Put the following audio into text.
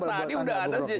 fakta fakta tadi udah ada sih